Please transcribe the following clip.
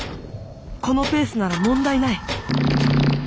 このペースなら問題ない。